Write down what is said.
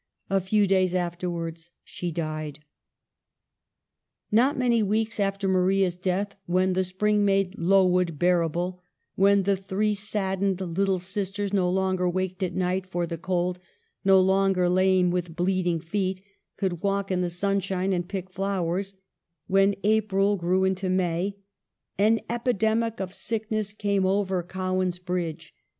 A few days afterwards she died. Not many weeks after Maria's death, when the spring made"Lowood" bearable, when the three saddened little sisters no longer waked at night for the cold, no longer lame with bleed ing feet, could walk in the sunshine and pick flowers, when April grew into May, an epidemic of sickness came over Cowan's Bridge.